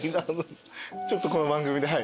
ちょっとこの番組ではい。